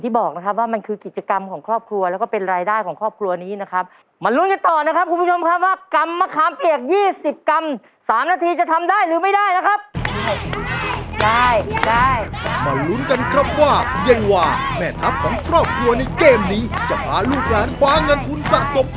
ตอนนี้นะครับเวลาเราก็เดินไปเร็วเหมือนกันนะ